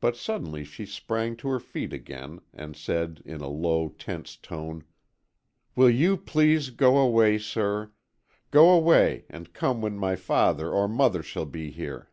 But suddenly she sprang to her feet again, and said, in a low, tense tone, "Will you please go away, sir? Go away, and come when my father or mother shall be here?"